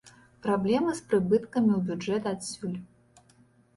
Праблемы з прыбыткамі ў бюджэт адсюль.